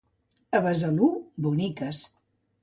A Besalú, boniques.